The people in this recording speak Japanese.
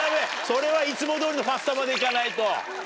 それはいつも通りのファッサマでいかないと。